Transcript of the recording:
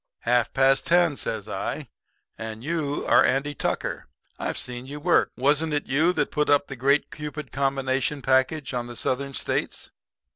"'Half past ten,' says I, 'and you are Andy Tucker. I've seen you work. Wasn't it you that put up the Great Cupid Combination package on the Southern States?